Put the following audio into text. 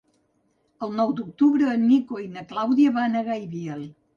El nou d'octubre en Nico i na Clàudia van a Gaibiel.